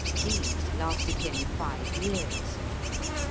These lasted him five years.